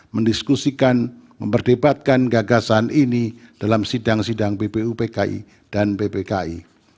mendiskusikan memperdebatkan gagasan ini dalam sidang sidang ppupki dan ppki